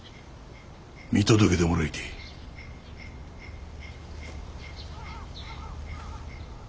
見届けてもらいてえ。